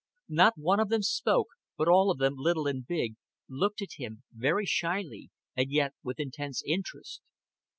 Not one of them spoke, but all of them, little and big, looked at him very shyly, and yet with intense interest.